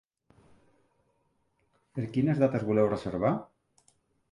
Per quines dates voleu reservar?